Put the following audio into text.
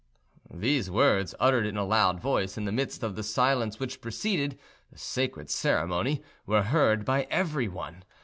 These words, uttered in a loud voice, in the midst of the silence which preceded, the sacred ceremony, were heard by everyone.